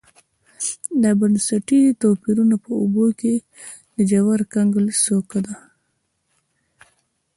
دا بنسټي توپیرونه په اوبو کې د ژور کنګل څوکه ده